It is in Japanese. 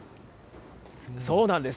そうなんです。